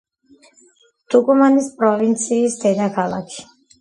ტუკუმანის პროვინციის დედაქალაქი.